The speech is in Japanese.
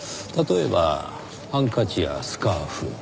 例えばハンカチやスカーフ。